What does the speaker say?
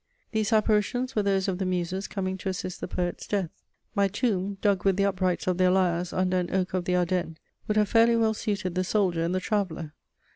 These apparitions were those of the Muses coming to assist the poet's death: my tomb, dug with the uprights of their lyres under an oak of the Ardennes, would have fairly well suited the soldier and the traveller.